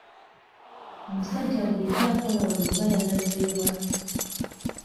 Omusajja bulijjo akola wano oba yalaze wa?